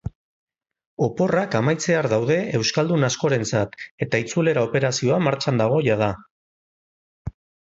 Oporrak amaitzear daude euskaldun askorentzat eta itzulera operazioa martxan dago jada.